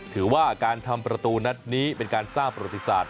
ถือว่าการทำประตูนัดนี้เป็นการสร้างประวัติศาสต